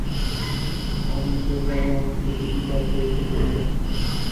অনন্তের দ্বারাই অনন্তকে বিচার করিতে হইবে।